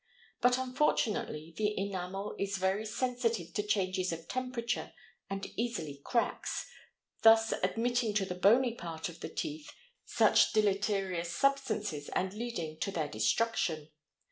But unfortunately the enamel is very sensitive to changes of temperature and easily cracks, thus admitting to the bony part of the teeth such deleterious substances and leading to their destruction.